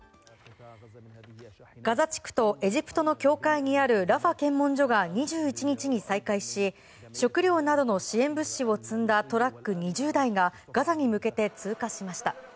ガザ地区とエジプトの境界にあるラファ検問所が２１日に再開し食料などの支援物資を積んだトラック２０台がガザに向けて通過しました。